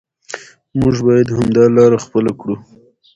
موږ باید همدا لاره خپله کړو.